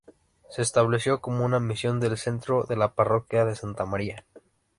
Se estableció como una misión del centro de la parroquia de Santa María.